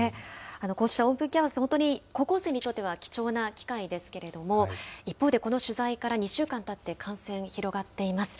こうしたオープンキャンパス、本当に高校生にとっては貴重な機会ですけれども、一方でこの取材から２週間たって感染広がっています。